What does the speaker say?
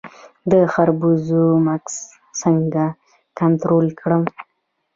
د خربوزو مګس څنګه کنټرول کړم؟